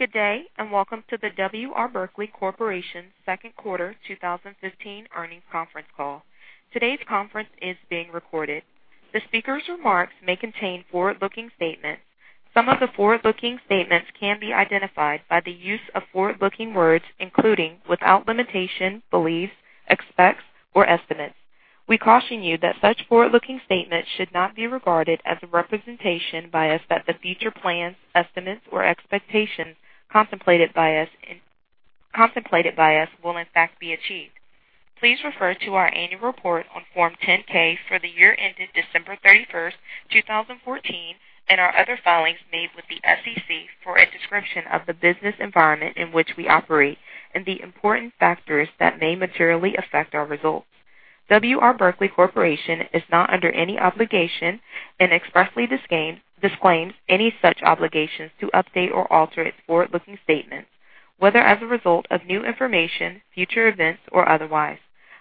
Good day, welcome to the W. R. Berkley Corporation second quarter 2015 earnings conference call. Today's conference is being recorded. The speaker's remarks may contain forward-looking statements. Some of the forward-looking statements can be identified by the use of forward-looking words, including, without limitation, beliefs, expects or estimates. We caution you that such forward-looking statements should not be regarded as a representation by us that the future plans, estimates or expectations contemplated by us will in fact be achieved. Please refer to our annual report on Form 10-K for the year ended December 31st, 2014, our other filings made with the SEC for a description of the business environment in which we operate and the important factors that may materially affect our results. W. R. Berkley Corporation is not under any obligation and expressly disclaims any such obligations to update or alter its forward-looking statements, whether as a result of new information, future events, or otherwise.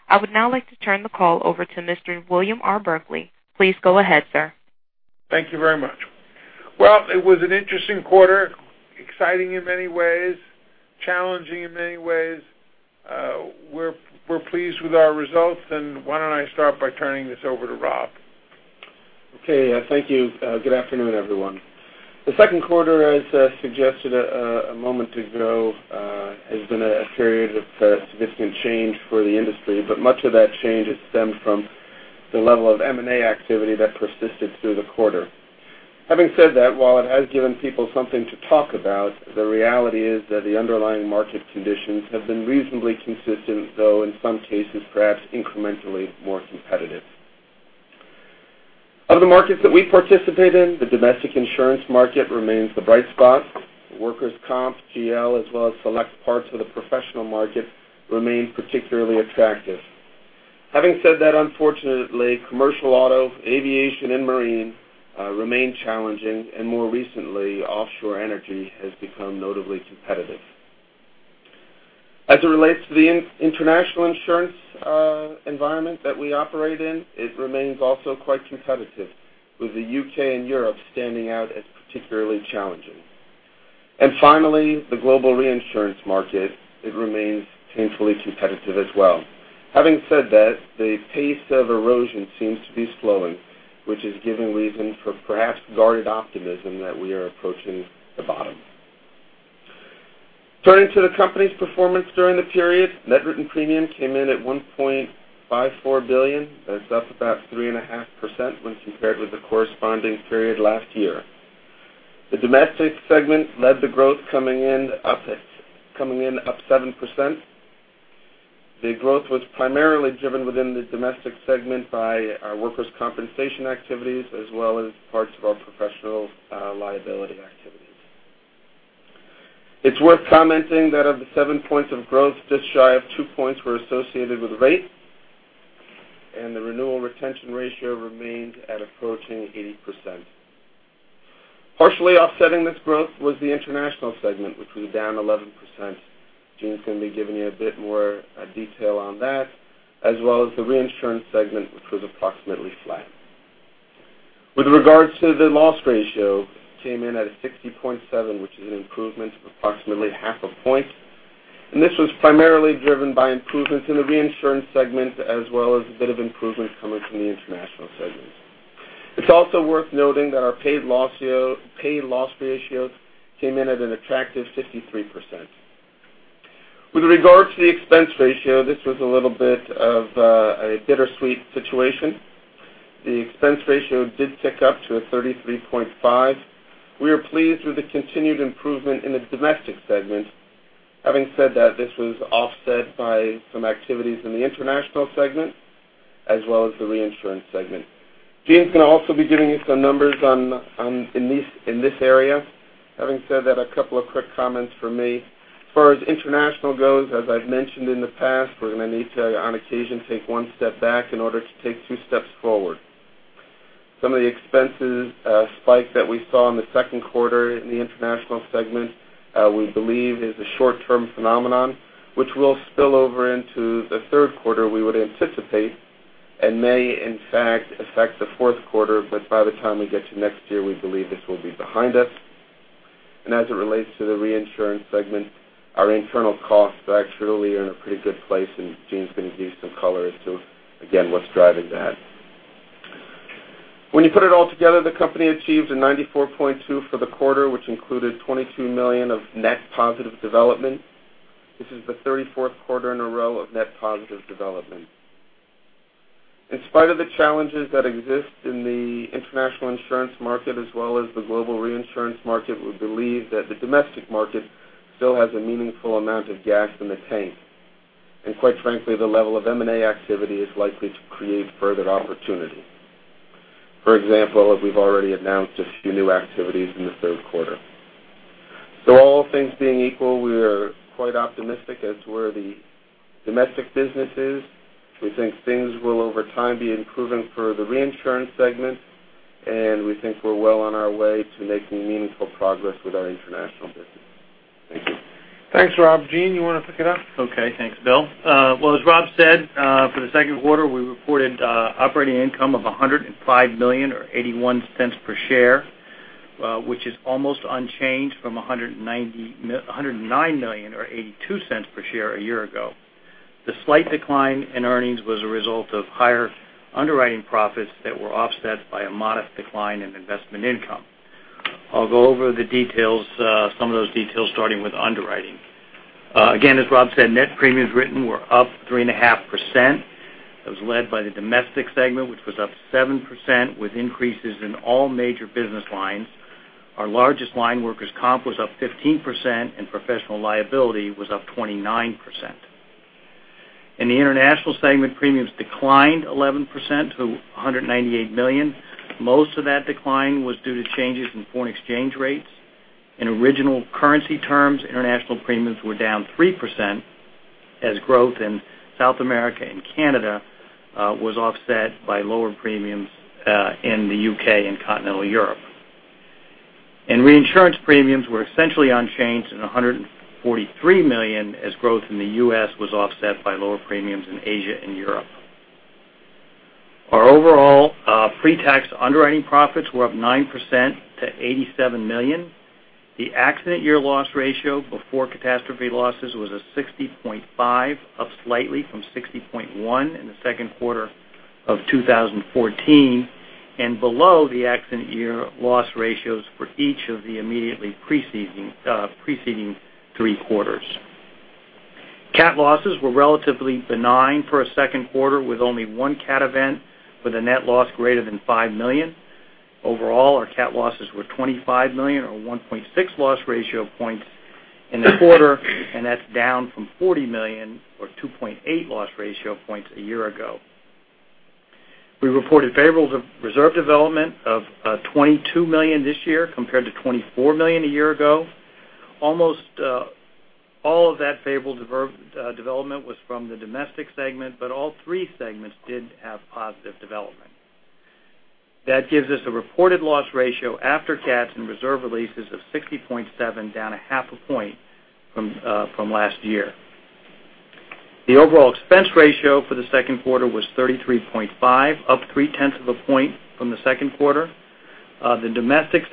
I would now like to turn the call over to Mr. William R. Berkley. Please go ahead, sir. Thank you very much. Well, it was an interesting quarter, exciting in many ways, challenging in many ways. We're pleased with our results, why don't I start by turning this over to Rob? Okay. Thank you. Good afternoon, everyone. The second quarter, as suggested a moment ago, has been a period of significant change for the industry, but much of that change has stemmed from the level of M&A activity that persisted through the quarter. Having said that, while it has given people something to talk about, the reality is that the underlying market conditions have been reasonably consistent, though in some cases, perhaps incrementally more competitive. Of the markets that we participate in, the domestic insurance market remains the bright spot. Workers' comp, GL, as well as select parts of the professional market remain particularly attractive. Having said that, unfortunately, commercial auto, aviation, and marine remain challenging, more recently, offshore energy has become notably competitive. As it relates to the international insurance environment that we operate in, it remains also quite competitive, with the U.K. and Europe standing out as particularly challenging. Finally, the global reinsurance market, it remains painfully competitive as well. Having said that, the pace of erosion seems to be slowing, which is giving reason for perhaps guarded optimism that we are approaching the bottom. Turning to the company's performance during the period, net written premium came in at $1.54 billion. That is up about 3.5% when compared with the corresponding period last year. The domestic segment led the growth coming in up 7%. The growth was primarily driven within the domestic segment by our workers' compensation activities as well as parts of our professional liability activities. It's worth commenting that of the seven points of growth, just shy of two points were associated with rate, and the renewal retention ratio remained at approaching 80%. Partially offsetting this growth was the international segment, which was down 11%. Gene's going to be giving you a bit more detail on that, as well as the reinsurance segment, which was approximately flat. With regards to the loss ratio, came in at a 60.7, which is an improvement of approximately half a point. This was primarily driven by improvements in the reinsurance segment as well as a bit of improvement coming from the international segments. It's also worth noting that our paid loss ratios came in at an attractive 53%. With regard to the expense ratio, this was a little bit of a bittersweet situation. The expense ratio did tick up to a 33.5. We are pleased with the continued improvement in the domestic segment. Having said that, this was offset by some activities in the international segment as well as the reinsurance segment. Gene's going to also be giving you some numbers in this area. Having said that, a couple of quick comments from me. As far as international goes, as I've mentioned in the past, we're going to need to, on occasion, take one step back in order to take two steps forward. Some of the expenses spike that we saw in the second quarter in the international segment, we believe is a short-term phenomenon which will spill over into the third quarter, we would anticipate, and may in fact affect the fourth quarter. But by the time we get to next year, we believe this will be behind us. As it relates to the reinsurance segment, our internal costs are actually in a pretty good place, and Gene's going to give you some color as to, again, what's driving that. When you put it all together, the company achieved a 94.2 for the quarter, which included $22 million of net positive development. This is the 34th quarter in a row of net positive development. In spite of the challenges that exist in the international insurance market as well as the global reinsurance market, we believe that the domestic market still has a meaningful amount of gas in the tank. The level of M&A activity is likely to create further opportunity. For example, as we've already announced a few new activities in the third quarter. All things being equal, we are quite optimistic as to where the domestic business is. We think things will over time be improving for the reinsurance segment, and we think we're well on our way to making meaningful progress with our international business. Thanks, Rob. Gene, you want to pick it up? Okay. Thanks, Bill. Well, as Rob said, for the second quarter, we reported operating income of $105 million or $0.81 per share, which is almost unchanged from $109 million or $0.82 per share a year ago. The slight decline in earnings was a result of higher underwriting profits that were offset by a modest decline in investment income. I'll go over some of those details, starting with underwriting. Again, as Rob said, net premiums written were up 3.5%. That was led by the domestic segment, which was up 7% with increases in all major business lines. Our largest line, workers' comp, was up 15%, and professional liability was up 29%. In the international segment, premiums declined 11% to $198 million. Most of that decline was due to changes in foreign exchange rates. In original currency terms, international premiums were down 3% as growth in South America and Canada was offset by lower premiums in the U.K. and continental Europe. Reinsurance premiums were essentially unchanged at $143 million as growth in the U.S. was offset by lower premiums in Asia and Europe. Our overall pre-tax underwriting profits were up 9% to $87 million. The accident year loss ratio before catastrophe losses was a 60.5%, up slightly from 60.1% in the second quarter of 2014, and below the accident year loss ratios for each of the immediately preceding three quarters. Cat losses were relatively benign for a second quarter, with only one cat event with a net loss greater than $5 million. Overall, our cat losses were $25 million, or 1.6 loss ratio points in the quarter, and that's down from $40 million or 2.8 loss ratio points a year ago. We reported favorable reserve development of $22 million this year, compared to $24 million a year ago. Almost all of that favorable development was from the domestic segment, but all three segments did have positive development. That gives us a reported loss ratio after cats and reserve releases of 60.7%, down a half a point from last year. The overall expense ratio for the second quarter was 33.5%, up three tenths of a point from the second quarter. The domestic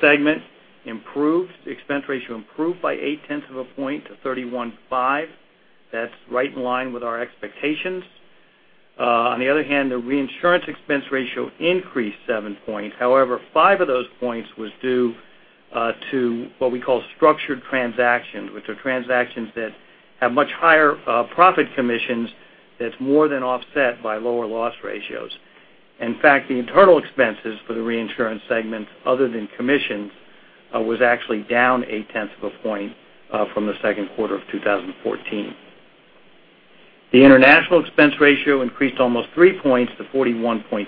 segment expense ratio improved by eight tenths of a point to 31.5%. That's right in line with our expectations. On the other hand, the reinsurance expense ratio increased seven points. However, five of those points was due to what we call structured transactions, which are transactions that have much higher profit commissions that's more than offset by lower loss ratios. In fact, the internal expenses for the reinsurance segment, other than commissions, was actually down eight tenths of a point from the second quarter of 2014. The international expense ratio increased almost three points to 41.6%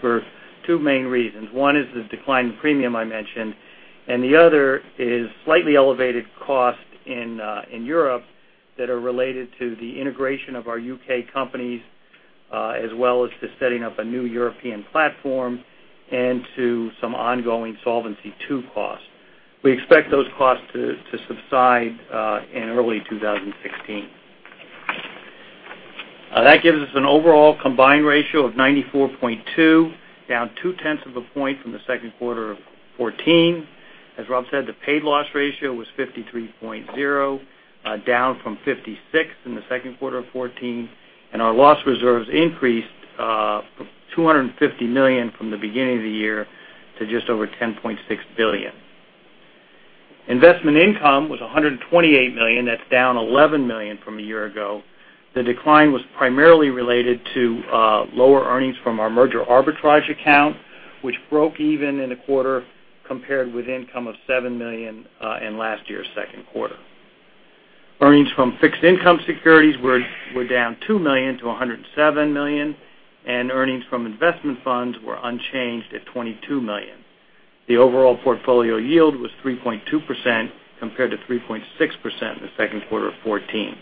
for two main reasons. One is the decline in premium I mentioned, and the other is slightly elevated cost in Europe that are related to the integration of our U.K. companies, as well as to setting up a new European platform and to some ongoing Solvency II costs. We expect those costs to subside in early 2016. That gives us an overall combined ratio of 94.2%, down two tenths of a point from the second quarter of 2014. As Rob said, the paid loss ratio was 53.0%, down from 56% in the second quarter of 2014, and our loss reserves increased from $250 million from the beginning of the year to just over $10.6 billion. Investment income was $128 million. That's down $11 million from a year ago. The decline was primarily related to lower earnings from our merger arbitrage account, which broke even in the quarter, compared with income of $7 million in last year's second quarter. Earnings from fixed income securities were down $2 million to $107 million, and earnings from investment funds were unchanged at $22 million. The overall portfolio yield was 3.2%, compared to 3.6% in the second quarter of 2014.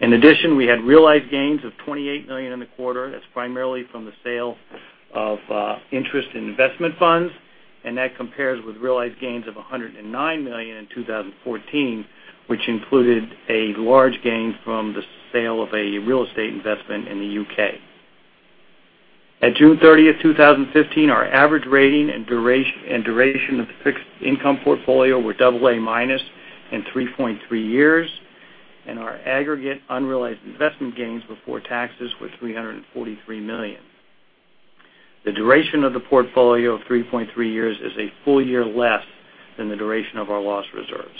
In addition, we had realized gains of $28 million in the quarter. That's primarily from the sale of interest in investment funds, and that compares with realized gains of $109 million in 2014, which included a large gain from the sale of a real estate investment in the U.K. At June 30th, 2015, our average rating and duration of the fixed income portfolio were double A minus and 3.3 years, and our aggregate unrealized investment gains before taxes were $343 million. The duration of the portfolio of 3.3 years is a full year less than the duration of our loss reserves.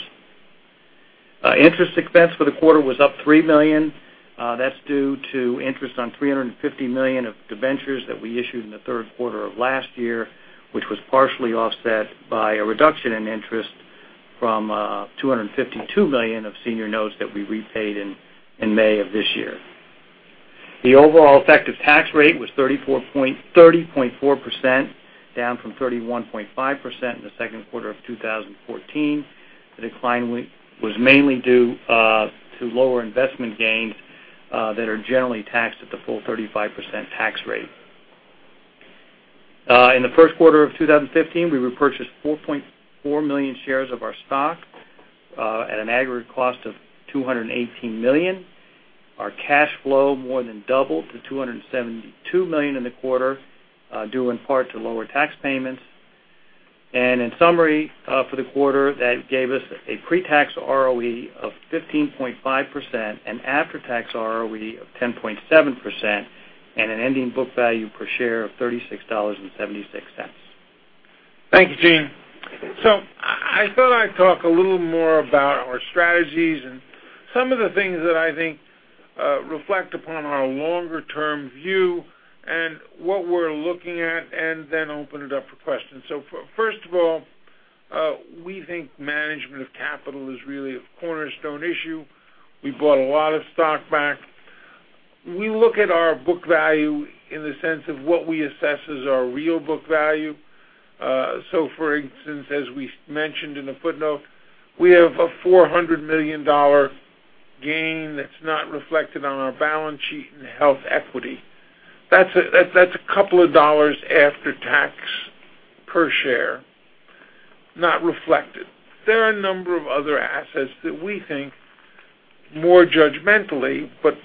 Interest expense for the quarter was up $3 million. That's due to interest on $350 million of debentures that we issued in the third quarter of last year, which was partially offset by a reduction in interest from $252 million of senior notes that we repaid in May of this year. The overall effective tax rate was 30.4%, down from 31.5% in the second quarter of 2014. The decline was mainly due to lower investment gains that are generally taxed at the full 35% tax rate. In the first quarter of 2015, we repurchased 4.4 million shares of our stock at an aggregate cost of $218 million. Our cash flow more than doubled to $272 million in the quarter, due in part to lower tax payments. In summary, for the quarter, that gave us a pre-tax ROE of 15.5% and after-tax ROE of 10.7%, and an ending book value per share of $36.76. Thank you, Gene. I thought I'd talk a little more about our strategies and some of the things that I think reflect upon our longer-term view and what we're looking at, then open it up for questions. First of all, we think management of capital is really a cornerstone issue. We bought a lot of stock back. We look at our book value in the sense of what we assess as our real book value. For instance, as we mentioned in a footnote, we have a $400 million gain that's not reflected on our balance sheet in HealthEquity. That's a couple of dollars after tax per share, not reflected. There are a number of other assets that we think more judgmentally, but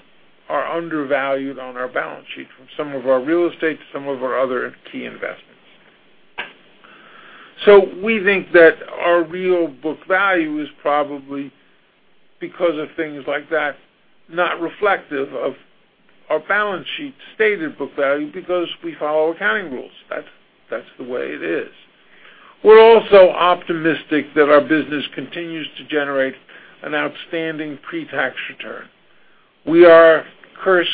are undervalued on our balance sheet, from some of our real estate to some of our other key investments. We think that our real book value is probably, because of things like that, not reflective of our balance sheet stated book value because we follow accounting rules. That's the way it is. We're also optimistic that our business continues to generate an outstanding pre-tax return. We are cursed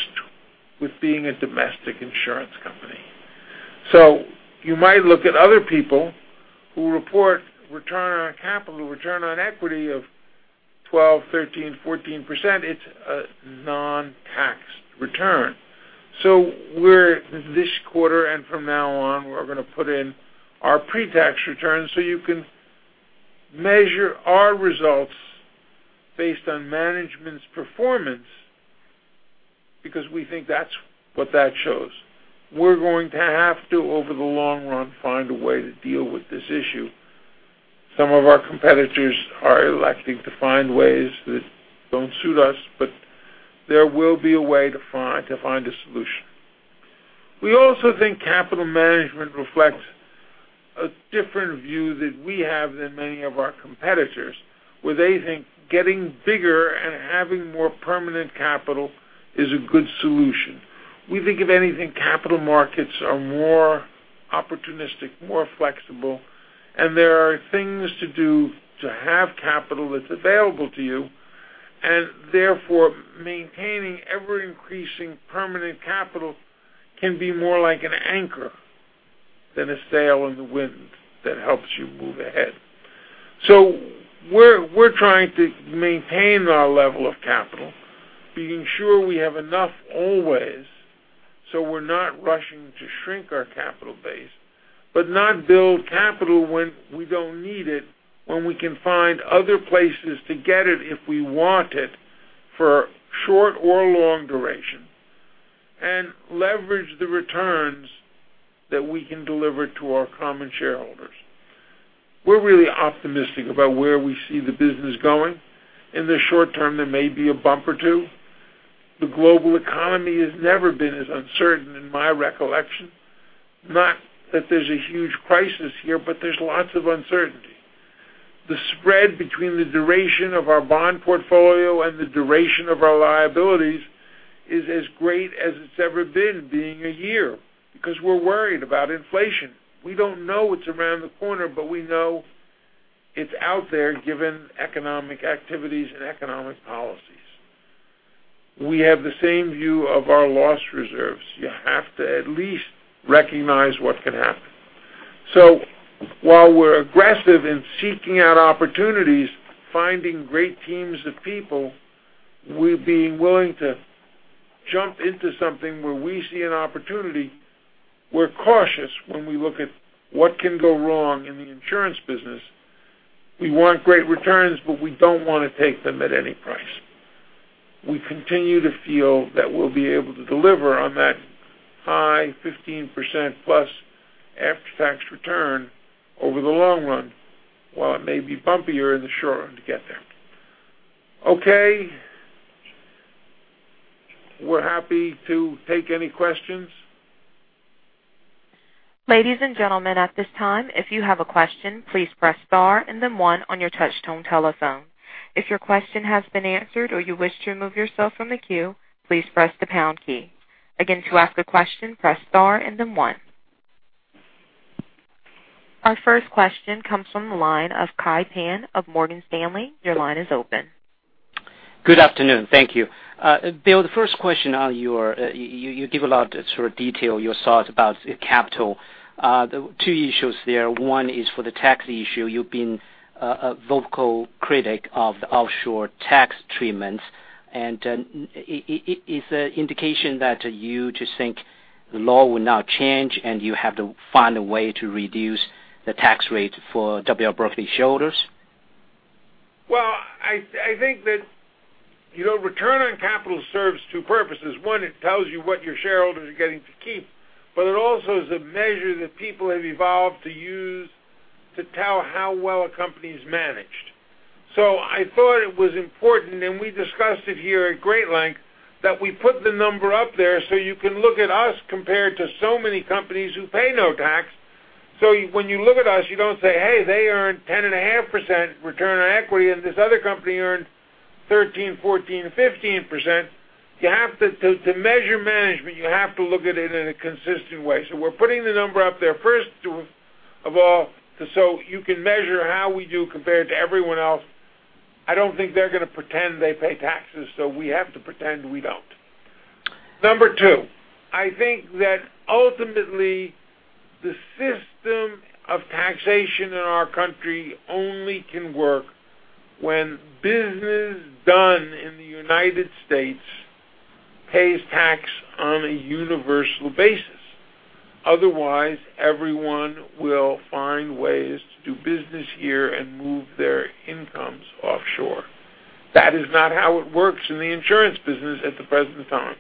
with being a domestic insurance company. You might look at other people who report return on capital, return on equity of 12%, 13%, 14%, it's a non-tax return. This quarter and from now on, we're going to put in our pre-tax return so you can measure our results based on management's performance, because we think that's what that shows. We're going to have to, over the long run, find a way to deal with this issue. Some of our competitors are electing to find ways that don't suit us, there will be a way to find a solution. We also think capital management reflects a different view that we have than many of our competitors, where they think getting bigger and having more permanent capital is a good solution. We think, if anything, capital markets are more opportunistic, more flexible, there are things to do to have capital that's available to you, therefore maintaining ever-increasing permanent capital can be more like an anchor than a sail in the wind that helps you move ahead. We're trying to maintain our level of capital, being sure we have enough always, so we're not rushing to shrink our capital base, but not build capital when we don't need it, when we can find other places to get it if we want it for short or long duration, and leverage the returns that we can deliver to our common shareholders. We're really optimistic about where we see the business going. In the short term, there may be a bump or two. The global economy has never been as uncertain in my recollection. Not that there's a huge crisis here, but there's lots of uncertainty. The spread between the duration of our bond portfolio and the duration of our liabilities is as great as it's ever been, being one year, because we're worried about inflation. We don't know what's around the corner, we know it's out there given economic activities and economic policies. We have the same view of our loss reserves. You have to at least recognize what can happen. While we're aggressive in seeking out opportunities, finding great teams of people, we're being willing to jump into something where we see an opportunity. We're cautious when we look at what can go wrong in the insurance business. We want great returns, but we don't want to take them at any price. We continue to feel that we'll be able to deliver on that high 15% plus after-tax return over the long run, while it may be bumpier in the short run to get there. Okay. We're happy to take any questions. Ladies and gentlemen, at this time, if you have a question, please press star and then one on your touch tone telephone. If your question has been answered or you wish to remove yourself from the queue, please press the pound key. Again, to ask a question, press star and then one. Our first question comes from the line of Kai Pan of Morgan Stanley. Your line is open. Good afternoon. Thank you. Bill, the first question. You give a lot of detail, your thoughts about capital. The two issues there, one is for the tax issue. You've been a vocal critic of the offshore tax treatments, and is it indication that you just think the law will now change and you have to find a way to reduce the tax rate for W. R. Berkley shareholders? Well, I think that return on capital serves two purposes. One, it tells you what your shareholders are getting to keep, but it also is a measure that people have evolved to use to tell how well a company is managed. I thought it was important, and we discussed it here at great length, that we put the number up there so you can look at us compared to so many companies who pay no tax. When you look at us, you don't say, "Hey, they earned 10.5% return on equity, and this other company earned 13%, 14%, 15%." To measure management, you have to look at it in a consistent way. We're putting the number up there, first of all, so you can measure how we do compared to everyone else. I don't think they're going to pretend they pay taxes, we have to pretend we don't. Number 2, I think that ultimately, the system of taxation in our country only can work when business done in the U.S. pays tax on a universal basis. Otherwise, everyone will find ways to do business here and move their incomes offshore. That is not how it works in the insurance business at the present time.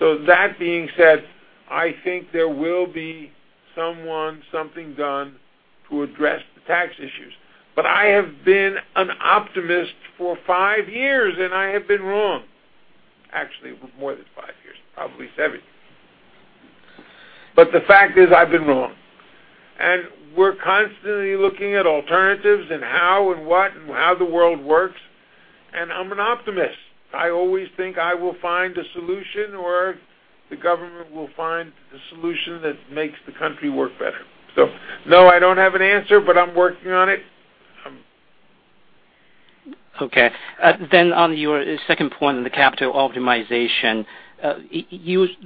That being said, I think there will be someone, something done to address the tax issues. I have been an optimist for five years, and I have been wrong. Actually, more than five years, probably seven. The fact is, I've been wrong. We're constantly looking at alternatives and how and what and how the world works. I'm an optimist. I always think I will find a solution, or the government will find a solution that makes the country work better. No, I don't have an answer, but I'm working on it. Okay. On your second point on the capital optimization,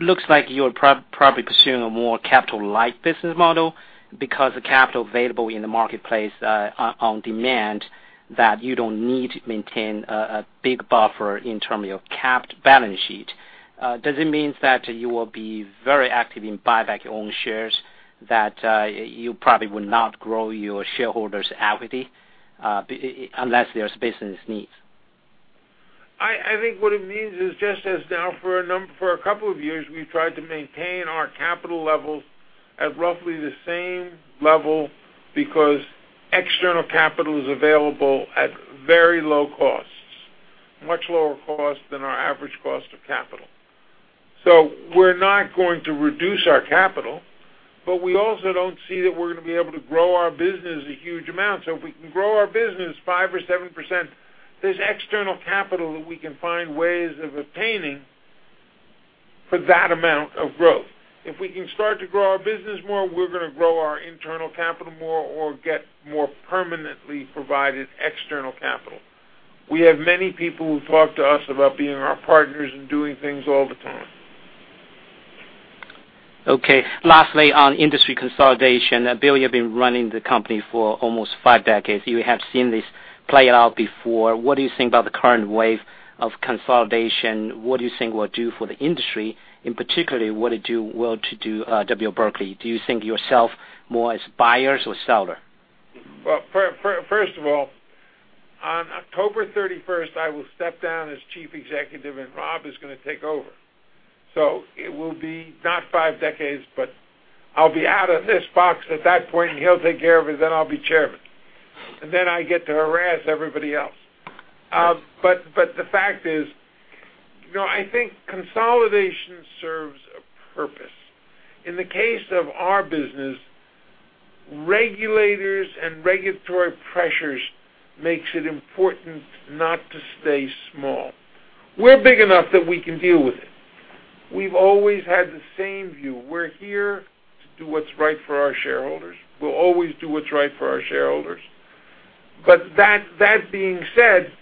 looks like you're probably pursuing a more capital light business model because the capital available in the marketplace on demand that you don't need to maintain a big buffer in terms of your capped balance sheet. Does it mean that you will be very active in buyback your own shares, that you probably will not grow your shareholders' equity unless there's business needs? I think what it means is just as now for a couple of years, we've tried to maintain our capital levels at roughly the same level because external capital is available at very low costs, much lower cost than our average cost of capital. We're not going to reduce our capital, but we also don't see that we're going to be able to grow our business a huge amount. If we can grow our business 5% or 7%, there's external capital that we can find ways of obtaining for that amount of growth. If we can start to grow our business more, we're going to grow our internal capital more or get more permanently provided external capital. We have many people who talk to us about being our partners and doing things all the time. Okay. Lastly, on industry consolidation. Bill, you've been running the company for almost five decades. You have seen this play out before. What do you think about the current wave of consolidation? What do you think will do for the industry? In particular, what it will to do W. R. Berkley? Do you think yourself more as buyers or seller? Well, first of all, on October 31st, I will step down as Chief Executive, and Rob is going to take over. It will be not five decades but I'll be out of this box at that point, and he'll take care of it, then I'll be Chairman. Then I get to harass everybody else. The fact is, I think consolidation serves a purpose. In the case of our business, regulators and regulatory pressures makes it important not to stay small. We're big enough that we can deal with it. We've always had the same view. We're here to do what's right for our shareholders. We'll always do what's right for our shareholders. That being said,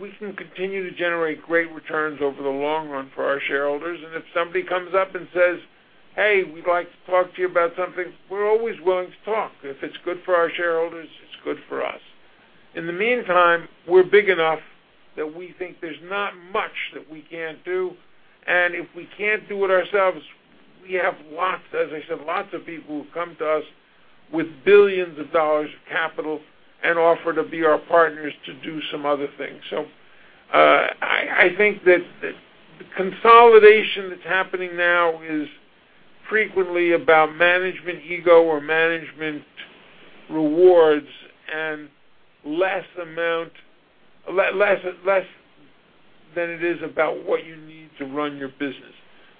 we can continue to generate great returns over the long run for our shareholders, and if somebody comes up and says, "Hey, we'd like to talk to you about something," we're always willing to talk. If it's good for our shareholders, it's good for us. In the meantime, we're big enough that we think there's not much that we can't do, and if we can't do it ourselves, we have lots, as I said, lots of people who've come to us with $billions of capital and offer to be our partners to do some other things. I think that the consolidation that's happening now is frequently about management ego or management rewards and less than it is about what you need to run your business.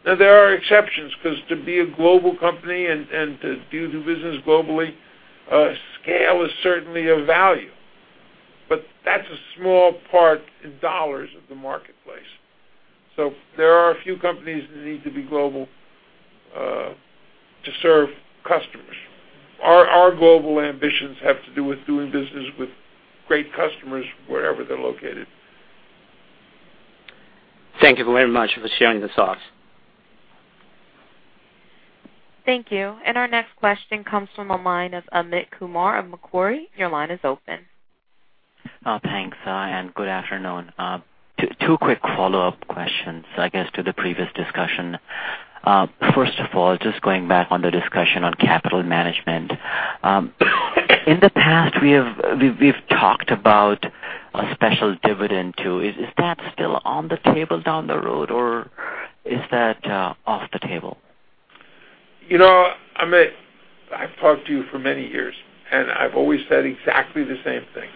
There are exceptions because to be a global company and to do business globally, scale is certainly of value. That's a small part in dollars of the marketplace. There are a few companies that need to be global to serve customers. Our global ambitions have to do with doing business with great customers wherever they're located. Thank you very much for sharing the thoughts. Thank you. Our next question comes from the line of Amit Kumar of Macquarie. Your line is open. Thanks. Good afternoon. Two quick follow-up questions, I guess, to the previous discussion. First of all, just going back on the discussion on capital management. In the past, we've talked about a special dividend too. Is that still on the table down the road, or is that off the table? Amit, I've talked to you for many years, and I've always said exactly the same thing.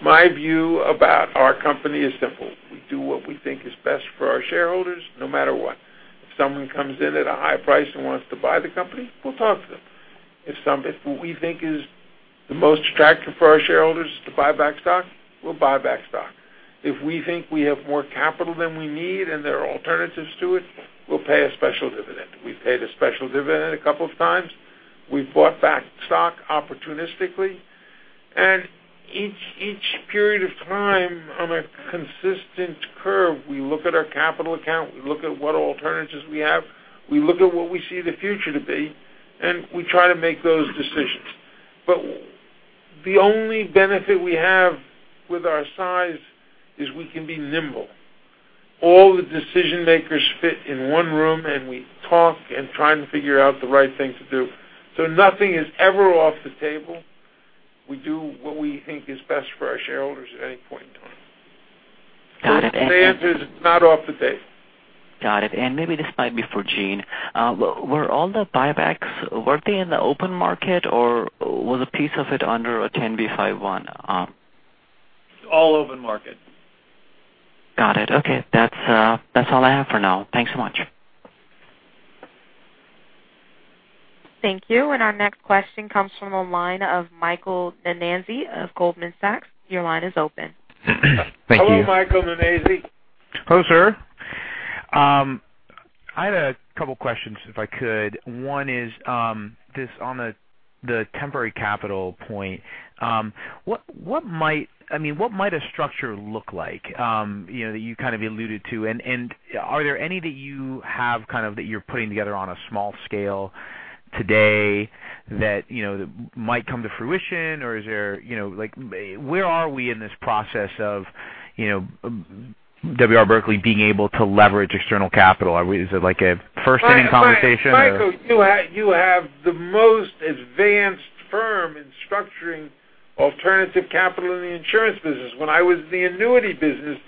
My view about our company is simple. We do what we think is best for our shareholders, no matter what. If someone comes in at a high price and wants to buy the company, we'll talk to them. If what we think is the most attractive for our shareholders is to buy back stock, we'll buy back stock. If we think we have more capital than we need and there are alternatives to it, we'll pay a special dividend. We've paid a special dividend a couple of times. We've bought back stock opportunistically. Each period of time, on a consistent curve, we look at our capital account, we look at what alternatives we have, we look at what we see the future to be, and we try to make those decisions. The only benefit we have with our size is we can be nimble. All the decision-makers fit in one room, and we talk and try and figure out the right thing to do. Nothing is ever off the table. We do what we think is best for our shareholders at any point in time. Got it. The answer is not off the table. Got it. Maybe this might be for Gene. Were all the buybacks, were they in the open market, or was a piece of it under a 10b5-1? All open market. Got it. Okay. That's all I have for now. Thanks so much. Thank you. Our next question comes from the line of Michael Nannizzi of Goldman Sachs. Your line is open. Thank you. Hello, Michael Nannizzi. Hello, sir. I had a couple questions, if I could. One is this, on the temporary capital point. What might a structure look like that you kind of alluded to? Are there any that you have that you're putting together on a small scale today that might come to fruition? Where are we in this process of W. R. Berkley being able to leverage external capital? Is it like a first-inning conversation? Michael, you have the most advanced firm in structuring alternative capital in the insurance business. When I was in the annuity business,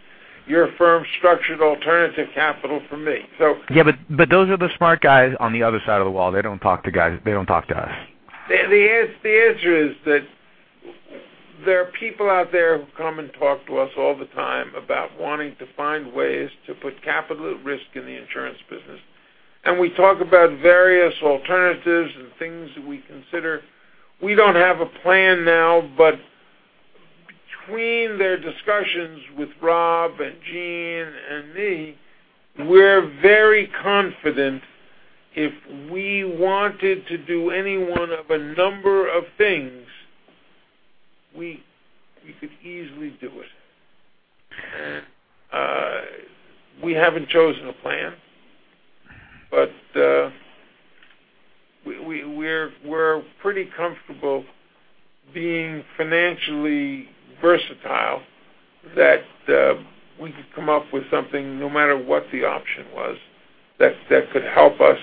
your firm structured alternative capital for me. Those are the smart guys on the other side of the wall. They don't talk to us. The answer is that there are people out there who come and talk to us all the time about wanting to find ways to put capital at risk in the insurance business. We talk about various alternatives and things that we consider. We don't have a plan now, between their discussions with Rob and Gene and me, we're very confident if we wanted to do any one of a number of things, we could easily do it. We haven't chosen a plan, we're pretty comfortable being financially versatile that we could come up with something no matter what the option was that could help us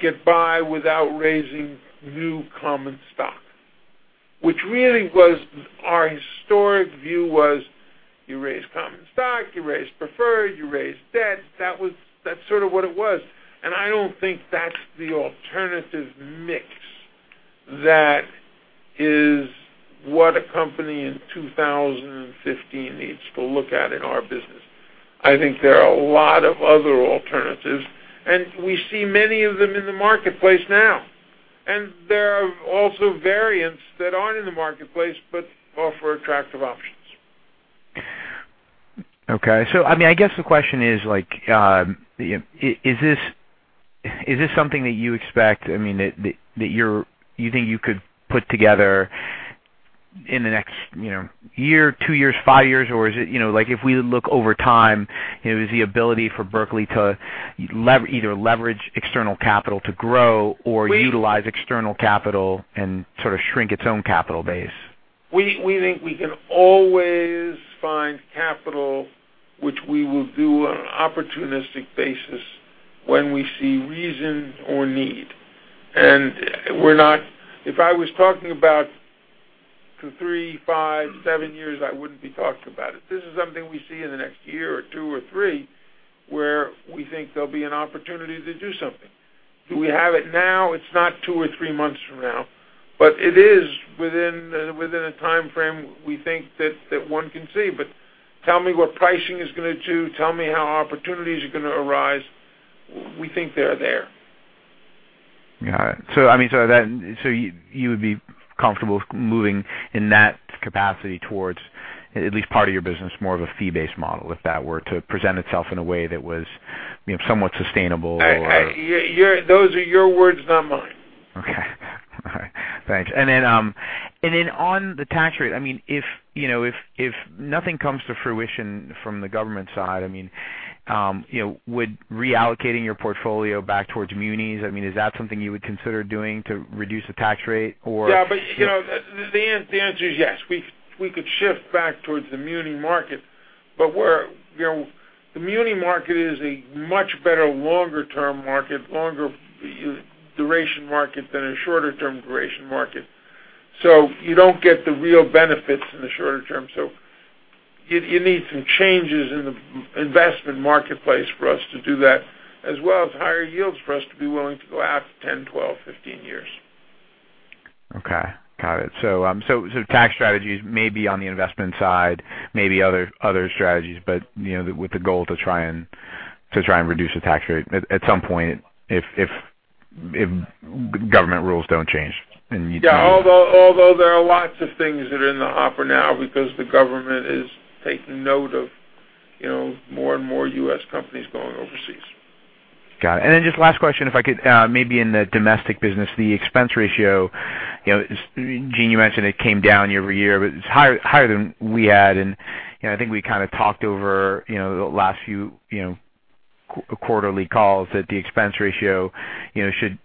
get by without raising new common stock, which really our historic view was you raise common stock, you raise preferred, you raise debt. That's sort of what it was. I don't think that's the alternative mix that is what a company in 2015 needs to look at in our business. I think there are a lot of other alternatives, we see many of them in the marketplace now. There are also variants that aren't in the marketplace but offer attractive options. Okay. I guess the question is this something that you expect, that you think you could put together in the next year, two years, five years? Is it if we look over time, is the ability for Berkley to either leverage external capital to grow or utilize external capital and sort of shrink its own capital base? We think we can always find capital, which we will do on an opportunistic basis when we see reason or need. If I was talking about two, three, five, seven years, I wouldn't be talking about it. This is something we see in the next year or two or three where we think there'll be an opportunity to do something. Do we have it now? It's not two or three months from now, but it is within a time frame we think that one can see. Tell me what pricing is going to do, tell me how opportunities are going to arise. We think they're there. Got it. You would be comfortable moving in that capacity towards at least part of your business, more of a fee-based model, if that were to present itself in a way that was somewhat sustainable or- Those are your words, not mine. Okay. All right. Thanks. Then on the tax rate, if nothing comes to fruition from the government side, Would reallocating your portfolio back towards munis, is that something you would consider doing to reduce the tax rate or- Yeah. The answer is yes. We could shift back towards the muni market. The muni market is a much better longer-term market, longer duration market than a shorter-term duration market. You don't get the real benefits in the shorter term. You need some changes in the investment marketplace for us to do that, as well as higher yields for us to be willing to go out 10, 12, 15 years. Okay. Got it. Tax strategies may be on the investment side, may be other strategies, but with the goal to try and reduce the tax rate at some point if government rules don't change and you- Yeah. Although there are lots of things that are in the hopper now because the government is taking note of more and more U.S. companies going overseas. Got it. Just last question, if I could. Maybe in the domestic business, the expense ratio. Gene, you mentioned it came down year-over-year, it's higher than we had, I think we kind of talked over the last few quarterly calls that the expense ratio should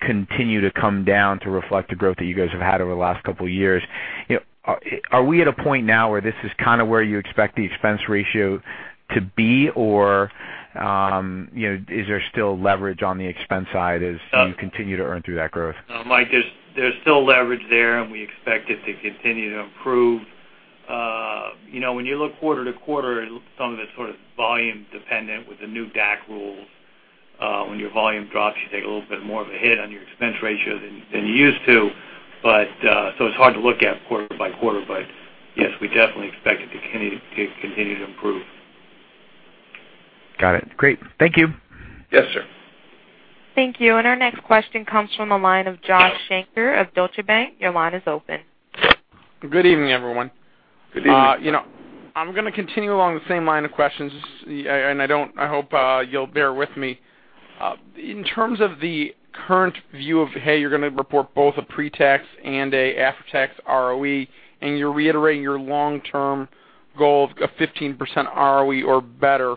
continue to come down to reflect the growth that you guys have had over the last couple of years. Are we at a point now where this is kind of where you expect the expense ratio to be? Or is there still leverage on the expense side as you continue to earn through that growth? Mike, there's still leverage there. We expect it to continue to improve. When you look quarter to quarter, some of it's sort of volume dependent with the new DAC rules. When your volume drops, you take a little bit more of a hit on your expense ratio than you used to. It's hard to look at quarter by quarter, but yes, we definitely expect it to continue to improve. Got it. Great. Thank you. Yes, sir. Thank you. Our next question comes from the line of Joshua Shanker of Deutsche Bank. Your line is open. Good evening, everyone. Good evening. I'm going to continue along the same line of questions, and I hope you'll bear with me. In terms of the current view of, hey, you're going to report both a pre-tax and a after-tax ROE, and you're reiterating your long-term goal of 15% ROE or better.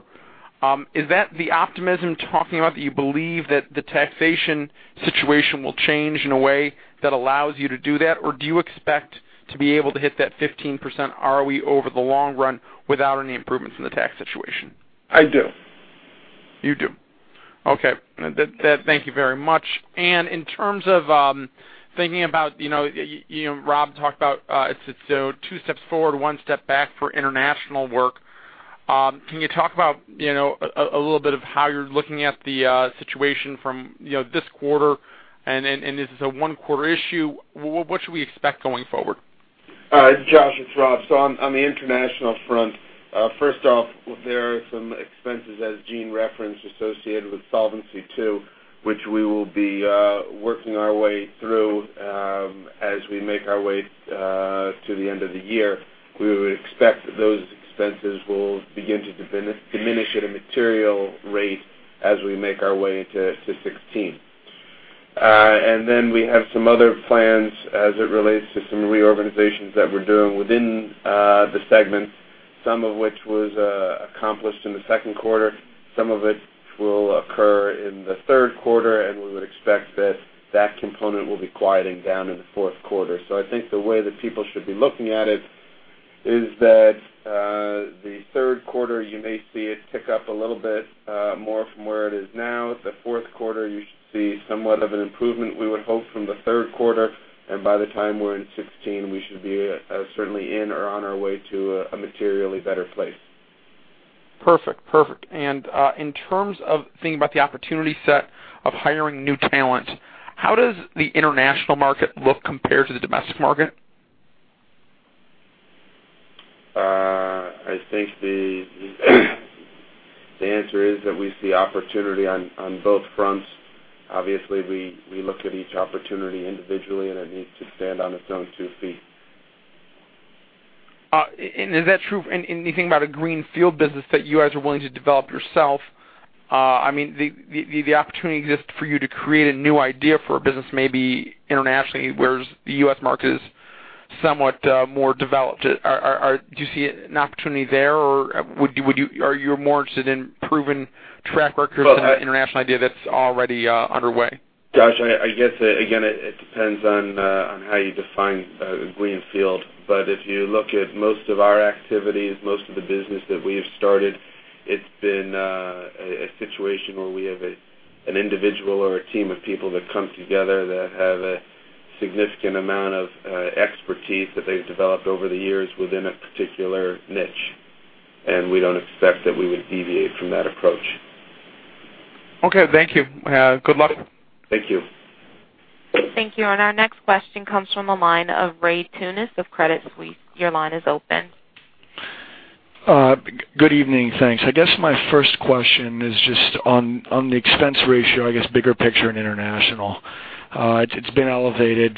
Is that the optimism talking about that you believe that the taxation situation will change in a way that allows you to do that? Or do you expect to be able to hit that 15% ROE over the long run without any improvements in the tax situation? I do. You do. Okay. Thank you very much. In terms of thinking about, Rob talked about it's two steps forward, one step back for international work. Can you talk about a little bit of how you're looking at the situation from this quarter, and is this a one-quarter issue? What should we expect going forward? Josh, it's Rob. On the international front, first off, there are some expenses, as Gene referenced, associated with Solvency II, which we will be working our way through as we make our way to the end of the year. We would expect those expenses will begin to diminish at a material rate as we make our way to 2016. Then we have some other plans as it relates to some reorganizations that we're doing within the segments, some of which was accomplished in the second quarter. Some of it will occur in the third quarter, and we would expect that component will be quieting down in the fourth quarter. I think the way that people should be looking at it is that the third quarter, you may see it tick up a little bit more from where it is now. The fourth quarter, you should see somewhat of an improvement, we would hope, from the third quarter. By the time we're in 2016, we should be certainly in or on our way to a materially better place. Perfect. In terms of thinking about the opportunity set of hiring new talent, how does the international market look compared to the domestic market? I think the answer is that we see opportunity on both fronts. Obviously, we look at each opportunity individually, it needs to stand on its own two feet. Is that true in anything about a greenfield business that you guys are willing to develop yourself? I mean, the opportunity exists for you to create a new idea for a business, maybe internationally, whereas the U.S. market is somewhat more developed. Do you see an opportunity there, or are you more interested in proven track records than an international idea that's already underway? Josh, I guess, again, it depends on how you define greenfield. If you look at most of our activities, most of the business that we have started, it's been a situation where we have an individual or a team of people that come together that have a significant amount of expertise that they've developed over the years within a particular niche, we don't expect that we would deviate from that approach. Okay. Thank you. Good luck. Thank you. Thank you. Our next question comes from the line of Ryan Tunis of Credit Suisse. Your line is open. Good evening. Thanks. I guess my first question is just on the expense ratio, I guess, bigger picture in international. It's been elevated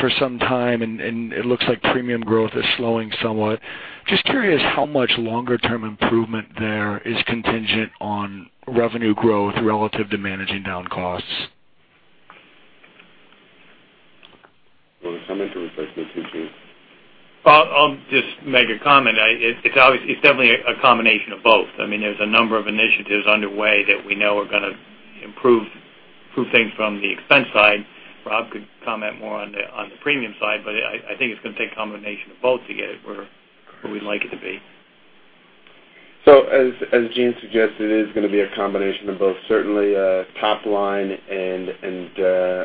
for some time, and it looks like premium growth is slowing somewhat. Just curious how much longer-term improvement there is contingent on revenue growth relative to managing down costs. I'll just make a comment. It's definitely a combination of both. There's a number of initiatives underway that we know are going to improve things from the expense side. Rob could comment more on the premium side, but I think it's going to take a combination of both to get it where we'd like it to be. As Gene suggests, it is going to be a combination of both. Certainly, top line and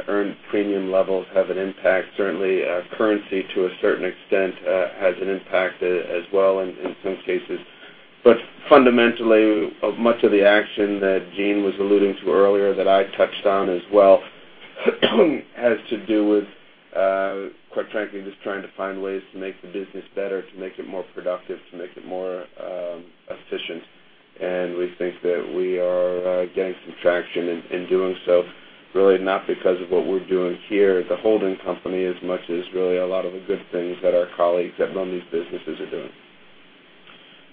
earned premium levels have an impact. Certainly, currency to a certain extent has an impact as well in some cases. Fundamentally, much of the action that Gene was alluding to earlier, that I touched on as well, has to do with, quite frankly, just trying to find ways to make the business better, to make it more productive, to make it more efficient. We think that we are getting some traction in doing so, really not because of what we're doing here at the holding company, as much as really a lot of the good things that our colleagues that run these businesses are doing.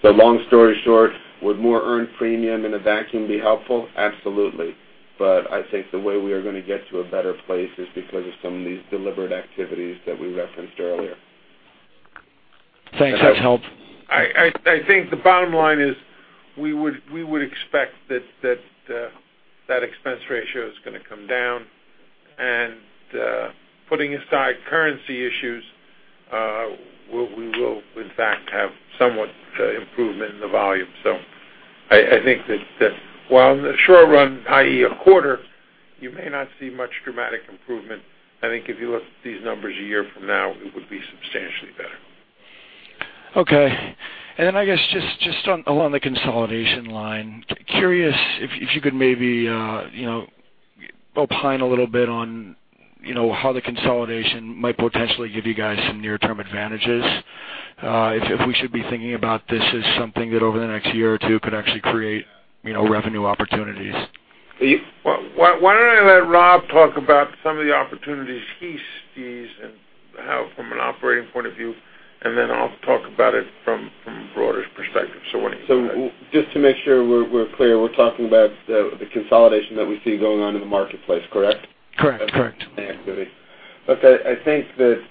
Long story short, would more earned premium in a vacuum be helpful? Absolutely. I think the way we are going to get to a better place is because of some of these deliberate activities that we referenced earlier. Thanks. That's helped. I think the bottom line is we would expect that that expense ratio is going to come down, putting aside currency issues, we will in fact, have somewhat improvement in the volume. I think that while in the short run, i.e., a quarter, you may not see much dramatic improvement, I think if you look at these numbers a year from now, it would be substantially better. Okay. Then, I guess just along the consolidation line, curious if you could maybe opine a little bit on how the consolidation might potentially give you guys some near-term advantages. If we should be thinking about this as something that over the next year or two could actually create revenue opportunities. Why don't I let Rob talk about some of the opportunities he sees and have from an operating point of view, and then I'll talk about it from a broader perspective. Why don't you go ahead? Just to make sure we're clear, we're talking about the consolidation that we see going on in the marketplace, correct? Correct. Okay. I think that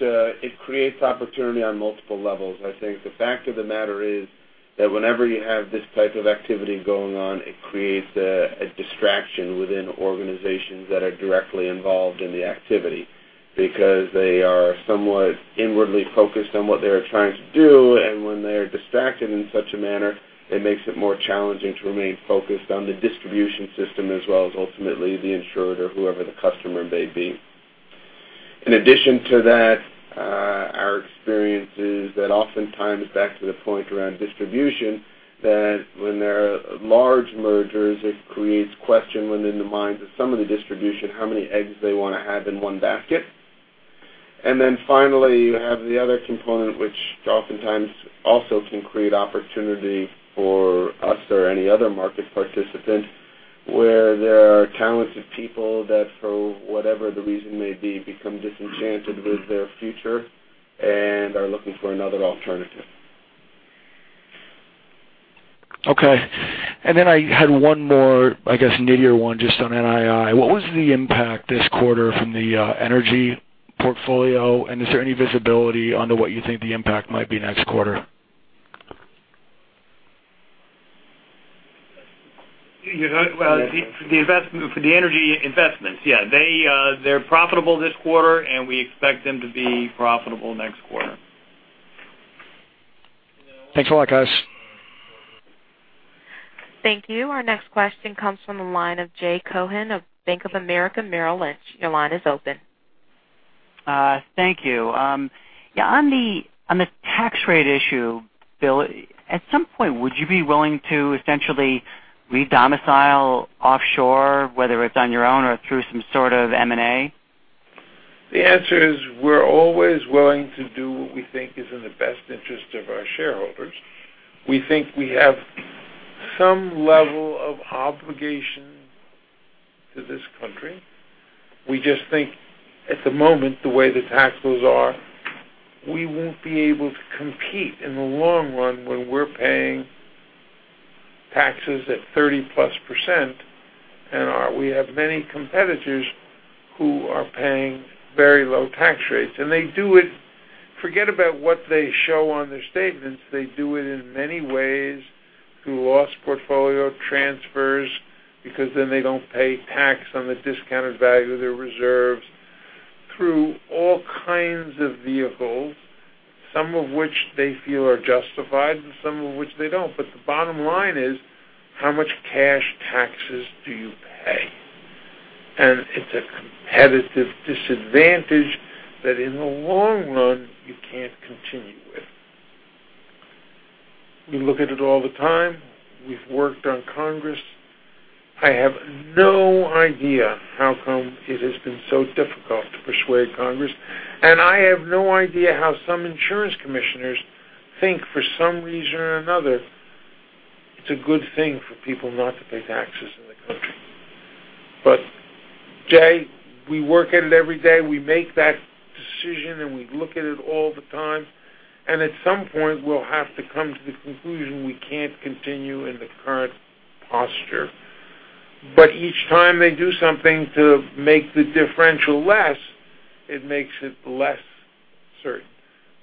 it creates opportunity on multiple levels. I think the fact of the matter is that whenever you have this type of activity going on, it creates a distraction within organizations that are directly involved in the activity because they are somewhat inwardly focused on what they are trying to do. When they're distracted in such a manner, it makes it more challenging to remain focused on the distribution system, as well as ultimately the insurer or whoever the customer may be. In addition to that, our experience is that oftentimes back to the point around distribution, that when there are large mergers, it creates question within the minds of some of the distribution, how many eggs they want to have in one basket. Finally, you have the other component, which oftentimes also can create opportunity for us or any other market participant, where there are talented people that, for whatever the reason may be, become disenchanted with their future and are looking for another alternative. Okay. I had one more, I guess, nittier one just on NII. What was the impact this quarter from the energy portfolio, and is there any visibility onto what you think the impact might be next quarter? For the energy investments, yeah. They're profitable this quarter, and we expect them to be profitable next quarter. Thanks a lot, guys. Thank you. Our next question comes from the line of Jay Cohen of Bank of America Merrill Lynch. Your line is open. Thank you. On the tax rate issue, Bill, at some point, would you be willing to essentially redomicile offshore, whether it's on your own or through some sort of M&A? The answer is we're always willing to do what we think is in the best interest of our shareholders. We think we have some level of obligation to this country. We just think at the moment, the way the tax laws are, we won't be able to compete in the long run when we're paying taxes at 30-plus%, and we have many competitors who are paying very low tax rates. They do it, forget about what they show on their statements. They do it in many ways through loss portfolio transfers because then they don't pay tax on the discounted value of their reserves, through all kinds of vehicles, some of which they feel are justified and some of which they don't. The bottom line is, how much cash taxes do you pay? It's a competitive disadvantage that in the long run you can't continue with. We look at it all the time. We've worked on Congress. I have no idea how come it has been so difficult to persuade Congress, I have no idea how some insurance commissioners think for some reason or another, it's a good thing for people not to pay taxes in the country. Jay, we work at it every day. We make that decision, we look at it all the time, at some point we'll have to come to the conclusion we can't continue in the current posture. Each time they do something to make the differential less, it makes it less certain.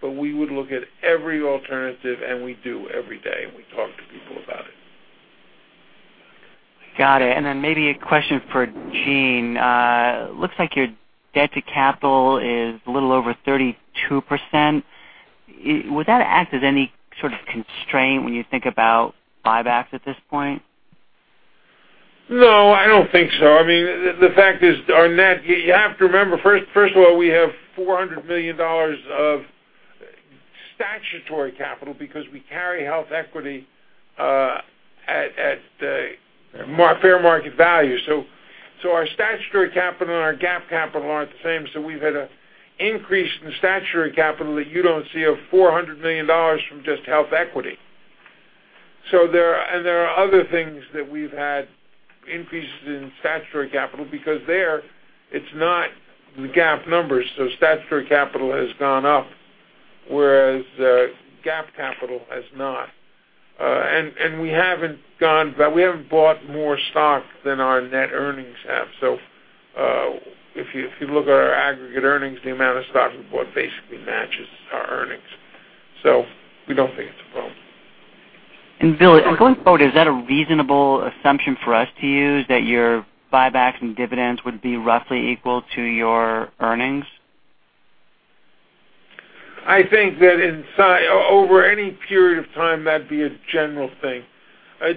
We would look at every alternative, we do every day, we talk to people about it. Got it. Then maybe a question for Gene. Looks like your debt to capital is a little over 32%. Would that act as any sort of constraint when you think about buybacks at this point? No, I don't think so. You have to remember, first of all, we have $400 million of statutory capital because we carry HealthEquity at fair market value. Our statutory capital and our GAAP capital aren't the same. We've had an increase in statutory capital that you don't see of $400 million from just HealthEquity. There are other things that we've had increases in statutory capital because there, it's not the GAAP numbers. Statutory capital has gone up, whereas GAAP capital has not. We haven't bought more stock than our net earnings have. If you look at our aggregate earnings, the amount of stock we bought basically matches our earnings. We don't think it's a problem. Bill, going forward, is that a reasonable assumption for us to use, that your buybacks and dividends would be roughly equal to your earnings? I think that over any period of time, that'd be a general thing.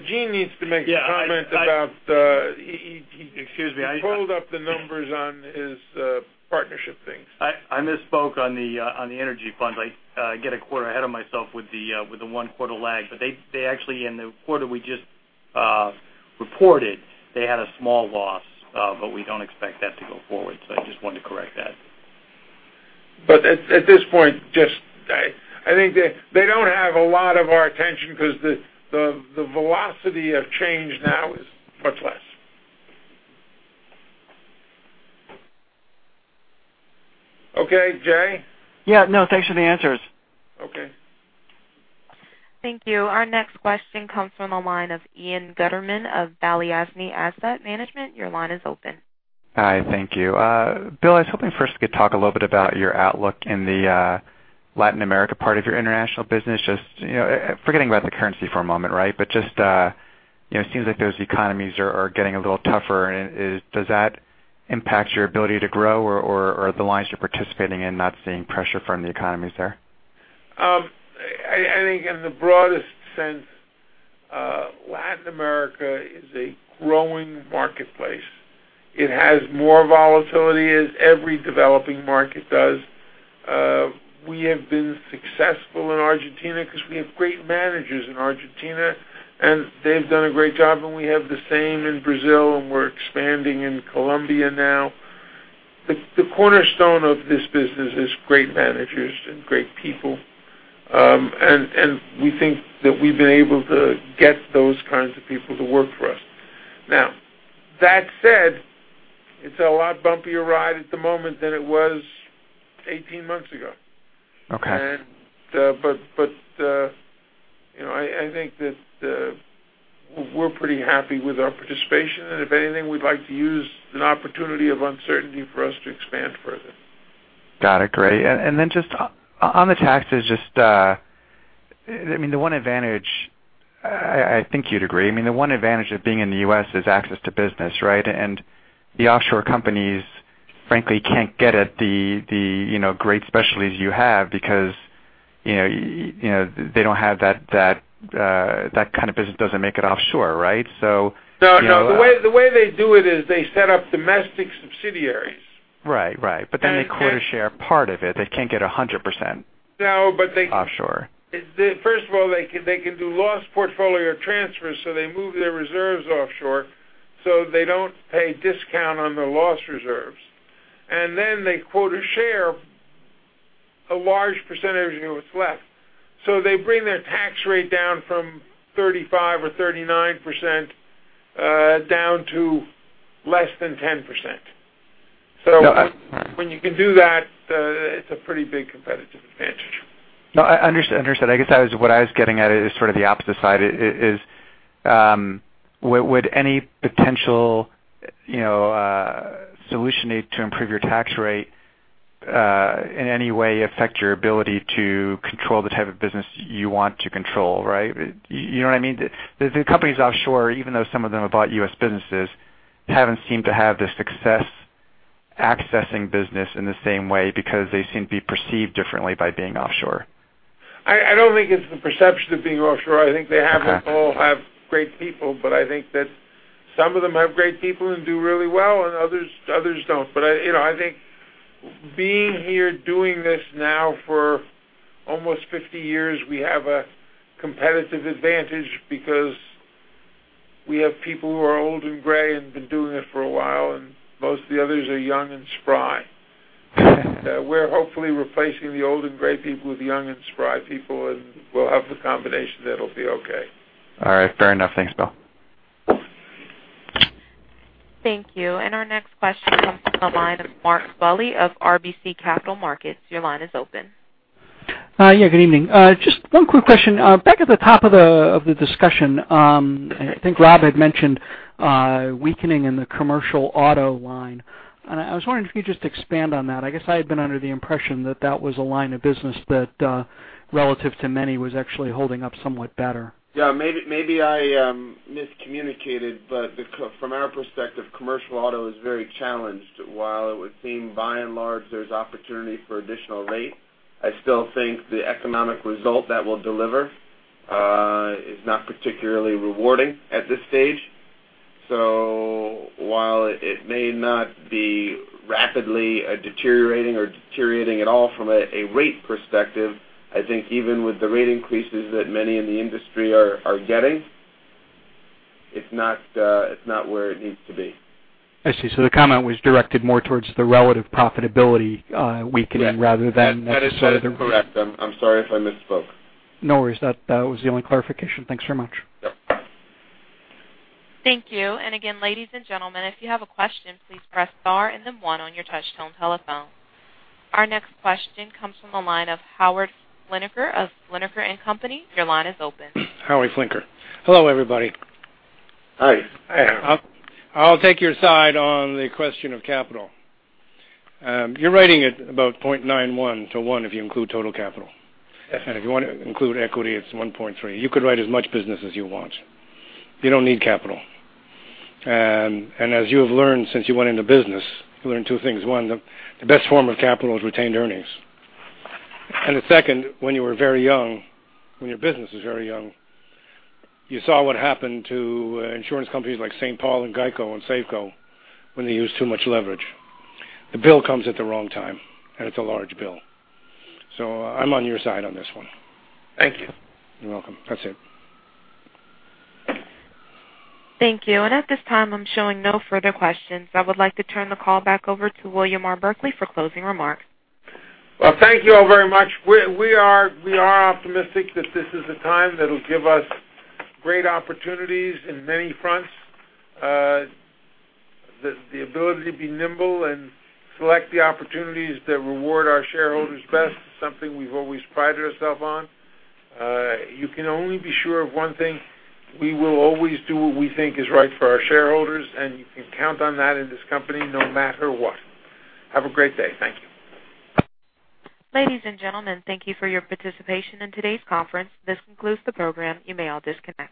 Gene needs to make a comment about the. Yeah. He pulled up the numbers on his partnership things. I misspoke on the energy funds. I get a quarter ahead of myself with the one quarter lag. They actually, in the quarter we just reported, they had a small loss. We don't expect that to go forward. I just wanted to correct that. At this point, I think they don't have a lot of our attention because the velocity of change now is much less. Okay, Jay? Yeah, no, thanks for the answers. Okay. Thank you. Our next question comes from the line of Ian Gutterman of Balyasny Asset Management. Your line is open. Hi, thank you. Bill, I was hoping first you could talk a little bit about your outlook in the Latin America part of your international business. Just forgetting about the currency for a moment, it seems like those economies are getting a little tougher. Does that impact your ability to grow or are the lines you're participating in not seeing pressure from the economies there? I think in the broadest sense, Latin America is a growing marketplace. It has more volatility as every developing market does. We have been successful in Argentina because we have great managers in Argentina, they've done a great job, we have the same in Brazil, we're expanding in Colombia now. The cornerstone of this business is great managers and great people, we think that we've been able to get those kinds of people to work for us. That said, it's a lot bumpier ride at the moment than it was 18 months ago. Okay. I think that we're pretty happy with our participation, and if anything, we'd like to use an opportunity of uncertainty for us to expand further. Got it. Great. Just on the taxes, the one advantage, I think you'd agree, of being in the U.S. is access to business, right? The offshore companies, frankly, can't get at the great specialties you have because that kind of business doesn't make it offshore, right? No. The way they do it is they set up domestic subsidiaries. Right. They quota share part of it. They can't get 100% offshore. First of all, they can do loss portfolio transfers, they move their reserves offshore, they don't pay discount on the loss reserves. They quota share a large percentage of what's left. They bring their tax rate down from 35% or 39% down to less than 10%. Right. When you can do that, it's a pretty big competitive advantage. No, understood. I guess what I was getting at is sort of the opposite side. Would any potential solution need to improve your tax rate, in any way affect your ability to control the type of business you want to control, right? You know what I mean? The companies offshore, even though some of them have bought U.S. businesses, haven't seemed to have the success accessing business in the same way because they seem to be perceived differently by being offshore. I don't think it's the perception of being offshore. I think they haven't all had great people, but I think that some of them have great people and do really well, and others don't. I think being here doing this now for almost 50 years, we have a competitive advantage because we have people who are old and gray and been doing it for a while, and most of the others are young and spry. We're hopefully replacing the old and gray people with young and spry people, and we'll have the combination that'll be okay. All right. Fair enough. Thanks, Bill. Thank you. Our next question comes from the line of Mark Hughes of RBC Capital Markets. Your line is open. Yeah, good evening. Just one quick question. Back at the top of the discussion, I think Rob had mentioned weakening in the commercial auto line. I was wondering if you could just expand on that. I guess I had been under the impression that that was a line of business that, relative to many, was actually holding up somewhat better. Yeah, maybe I miscommunicated. From our perspective, commercial auto is very challenged. While it would seem by and large there's opportunity for additional rate, I still think the economic result that we'll deliver is not particularly rewarding at this stage. While it may not be rapidly deteriorating or deteriorating at all from a rate perspective, I think even with the rate increases that many in the industry are getting, it's not where it needs to be. I see. The comment was directed more towards the relative profitability weakening rather than necessarily. That is correct. I'm sorry if I misspoke. No worries. That was the only clarification. Thanks very much. Yep. Thank you. Again, ladies and gentlemen, if you have a question, please press star and then one on your touchtone telephone. Our next question comes from the line of Howard Flinker of Flinker & Company. Your line is open. Howard Flinker. Hello, everybody. Hi. Hi, Howard. I'll take your side on the question of capital. You're writing at about 0.91 to 1 if you include total capital. If you want to include equity, it's 1.3. You could write as much business as you want. You don't need capital. As you have learned since you went into business, you learned two things. One, the best form of capital is retained earnings. The second, when you were very young, when your business was very young, you saw what happened to insurance companies like St. Paul and GEICO and Safeco when they used too much leverage. The bill comes at the wrong time, and it's a large bill. I'm on your side on this one. Thank you. You're welcome. That's it. Thank you. At this time, I'm showing no further questions. I would like to turn the call back over to William R. Berkley for closing remarks. Well, thank you all very much. We are optimistic that this is a time that'll give us great opportunities in many fronts. The ability to be nimble and select the opportunities that reward our shareholders best is something we've always prided ourselves on. You can only be sure of one thing. We will always do what we think is right for our shareholders, and you can count on that in this company, no matter what. Have a great day. Thank you. Ladies and gentlemen, thank you for your participation in today's conference. This concludes the program. You may all disconnect.